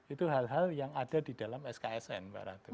itu hal hal yang ada di dalam sksn mbak ratu